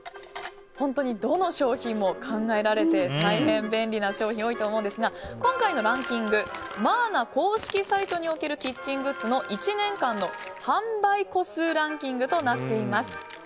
本当にどの商品も考えられて大変便利な商品多いと思うんですが今回のランキングマーナ公式サイトにおけるキッチングッズの１年間の販売個数ランキングとなっています。